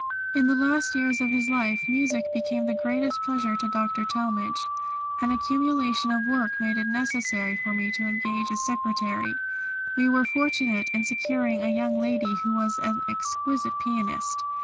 In the last years of his life music became the greatest pleasure to Dr. Talmage. An accumulation of work made it necessary for me to engage a secretary. We were fortunate in securing a young lady who was an exquisite pianist.